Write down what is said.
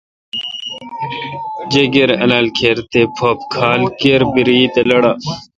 جیکر، الالکر، تھے پھپ کھال کِربرییل تہ لاڑال۔